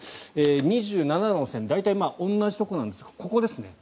２７度の線大体同じところなんですがここですね。